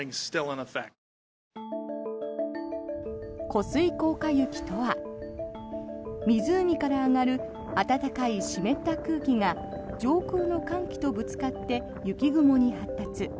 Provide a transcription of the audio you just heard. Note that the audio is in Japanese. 湖水効果雪とは湖から上がる暖かい湿った空気が上空の寒気とぶつかって雪雲に発達。